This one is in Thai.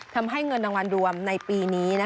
ทำให้เงินรางวัลรวมในปีนี้